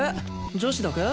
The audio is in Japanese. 女子だけ？